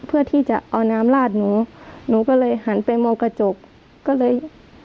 เพื่อที่จะเอาน้ำลาดหนูหนูก็เลยหันไปมองกระจกก็เลย